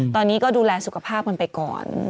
ตอนนี้ก็ดูแลสุขภาพกันไปก่อน